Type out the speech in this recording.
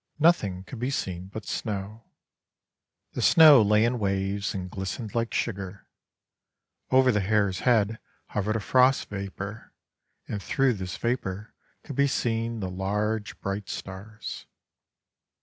Nothing could be seen but snow. The snow lay in waves and glistened like sugar. Over the hare's head hovered a frost vapour, and through this vapour could be seen the large, bright stars.